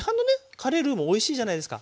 カレールーもおいしいじゃないですか。